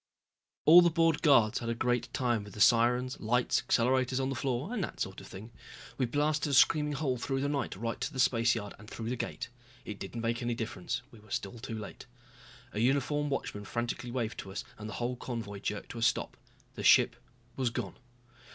All the bored guards had a great time with the sirens, lights, accelerators on the floor and that sort of thing. We blasted a screaming hole through the night right to the spaceyard and through the gate. It didn't make any difference, we were still too late. A uniformed watchman frantically waved to us and the whole convoy jerked to a stop. The ship was gone.